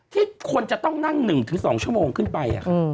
ที่คนจะต้องนั่ง๑๒ชั่วโมงขึ้นไป